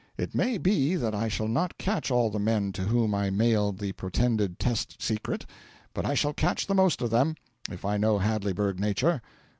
It may be that I shall not catch all the men to whom I mailed the pretended test secret, but I shall catch the most of them, if I know Hadleyburg nature.